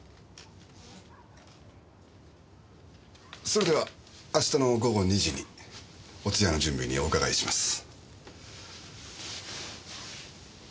それでは明日の午後２時にお通夜の準備にお伺いします。